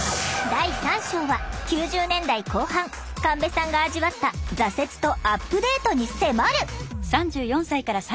第３章は９０年代後半神戸さんが味わった挫折とアップデートに迫る！